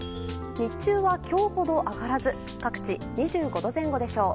日中は今日ほど上がらず各地２５度前後でしょう。